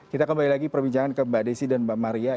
kita kembali lagi perbincangan ke mbak desi dan mbak maria